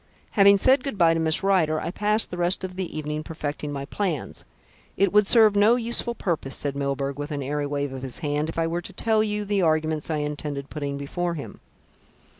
Having said good bye to Miss Rider, I passed the rest of the evening perfecting my plans. It would serve no useful purpose," said Milburgh with an airy wave of his hand, "if I were to tell you the arguments I intended putting before him."